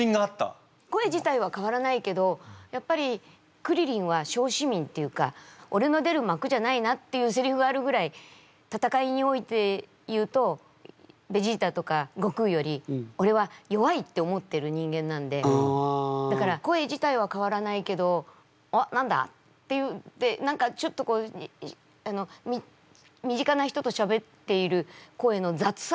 声自体は変わらないけどやっぱりクリリンは小市民っていうか「おれの出る幕じゃないな」っていうせりふがあるぐらい戦いにおいて言うと人間なんでだから声自体は変わらないけど「おっ何だ？」って言って何かちょっと身近な人としゃべっている声の雑さ